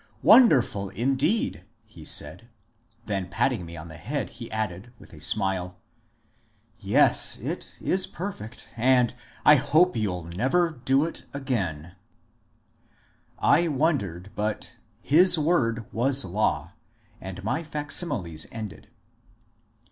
^^ Wonderful indeed," he said ; then patting me on the head, he added, with a smile, ^' Yes, it is peiriFect, and — I hope you 'U never do it again I " I wondered, but his word was law, and my facsimiles ended.